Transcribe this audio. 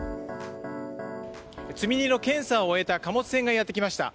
積み荷の検査を終えた貨物船がやってきました。